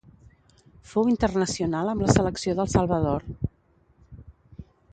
Fou internacional amb la selecció del Salvador.